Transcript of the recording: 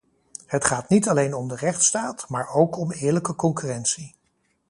Het gaat niet alleen om de rechtsstaat, maar ook om eerlijke concurrentie.